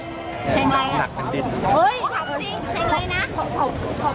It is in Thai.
การหาเสียงของพวกการเมืองที่จะให้จักรยกรองครับ